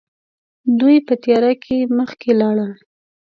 دوی په تياره کې مخکې لاړل.